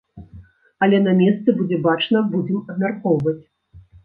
Але на месцы будзе бачна, будзем абмяркоўваць.